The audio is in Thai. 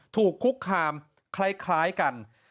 ถูกคุกคามคล้ายกัน